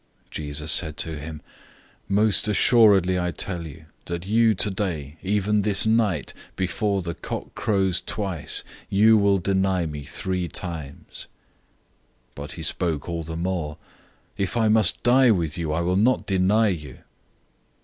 014:030 Jesus said to him, "Most certainly I tell you, that you today, even this night, before the rooster crows twice, you will deny me three times." 014:031 But he spoke all the more, "If I must die with you, I will not deny you."